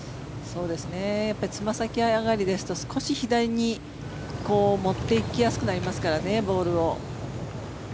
つま先上がりですと少し左に持っていきやすくなりますからねボールを。